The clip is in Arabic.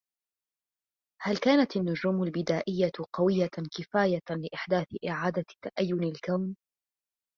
هل كانت النجوم البدائية قوية كفاية لإحداث إعادة تأيّن الكون؟